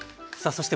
そして